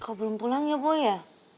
kau belum pulang ya boy ya